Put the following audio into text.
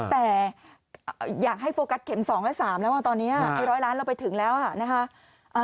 แต่อยากให้โฟกัสเข็ม๒และ๓แล้วตอนนี้๑๐๐ล้านเราไปถึงแล้วนะคะ